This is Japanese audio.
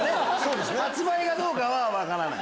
発売がどうかは分からない。